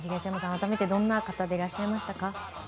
改めてどんな方でいらっしゃいましたか？